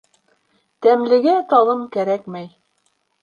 Тәмлегә талым кәрәкмәй.